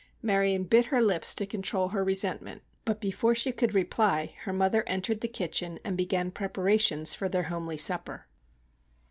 Marion bit her lips to control her resentment, but before she could reply her mother entered the kitchen and began preparations for their homely supper.